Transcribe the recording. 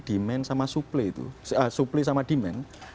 demand sama suplai itu